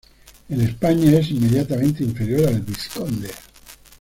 En España es inmediatamente inferior al vizconde.